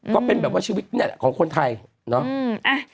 ก็เป็นชีวิตของคนไทยเนอะ